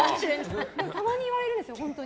たまに言われるんですよ、本当。